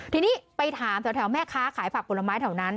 ทีนี้ไปถามแถวแม่ค้าขายผักผลไม้แถวนั้น